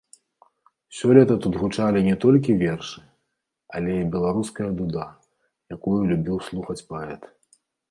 Сёлета тут гучалі не толькі вершы, але і беларуская дуда, якую любіў слухаць паэт.